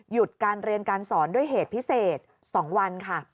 หยุดการเรียนการสอนด้วยเหตุพิเศษ๒วันค่ะ